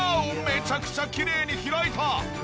めちゃくちゃきれいに開いた！